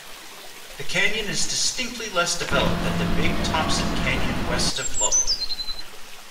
The canyon is distinctly less developed than the Big Thompson Canyon west of Loveland.